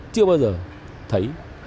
chưa bao giờ thấy